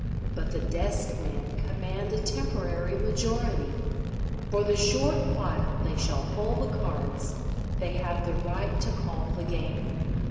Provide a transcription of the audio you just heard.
But the deskmen command a temporary majority: for the short while they shall hold the cards they have the right to call the game.